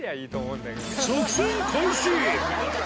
作戦開始。